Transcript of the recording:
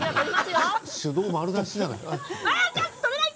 手動、丸出しじゃない。